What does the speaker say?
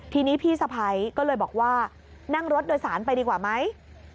ทีนี้พี่สะพ้ายก็เลยบอกว่านั่งรถโดยสารไปดีกว่าไหม